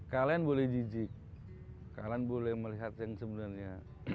kalian boleh jijik kalian boleh melihat yang sebenarnya